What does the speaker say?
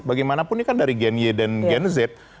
bagaimanapun ini kan dari gen y dan gen z